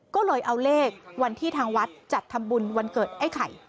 ก็เลยเอาเลขวันที่ทางวัดจัดทำบุญวันเกิดไอ้ไข่